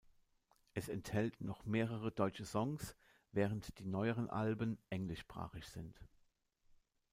Es enthält noch mehrere deutsche Songs, während die neueren Alben englischsprachig sind.